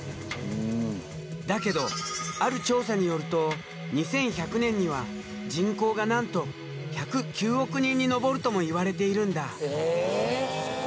だけどある調査によると２１００年には人口がなんと１０９億人に上るともいわれているんだ。